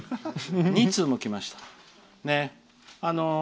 ２通もきました。